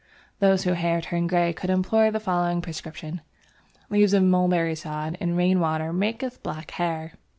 Those whose hair turned grey could employ the following prescription: "Leaves of Mulberry sod in rainwater maketh black hair."